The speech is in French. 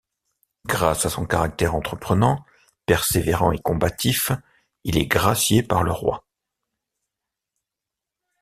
Grâce à son caractère entreprenant, persévérant et combatif, il est gracié par le Roi.